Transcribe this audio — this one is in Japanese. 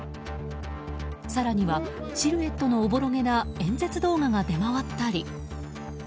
更には、シルエットのおぼろげな演説動画が出回ったり。